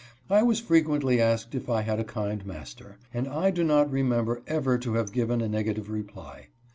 I was frequently asked if I had a kind master, and 1 do not remember ever to have given a negative reply.